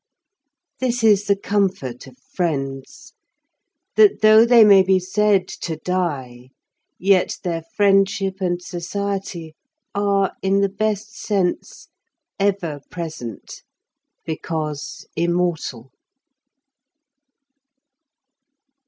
134. This is the Comfort of Friends, that though they may be said to Die, yet their Friendship and Society are, in the best Sense, ever present, because Immortal.